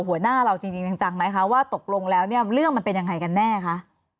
หัวหน้าเราจริงจังไหมคะว่าตกลงแล้วเนี่ยเรื่องมันเป็นยังไงกันแน่คะ